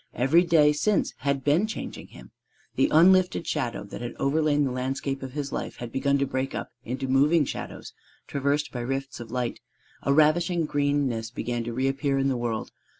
Every day since had been changing him. The unlifted shadow that had overlain the landscape of his life had begun to break up into moving shadows traversed by rifts of light: a ravishing greenness began to reappear in the world.